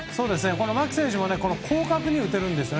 牧選手も広角に打てるんですよね。